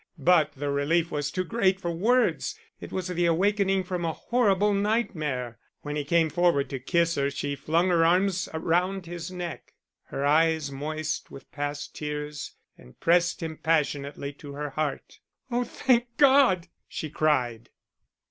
But the relief was too great for words, it was the awakening from a horrible nightmare. When he came forward to kiss her, she flung her arms round his neck, her eyes moist with past tears, and pressed him passionately to her heart. "Oh, thank God!" she cried.